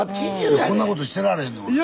こんなことしてられへんの俺。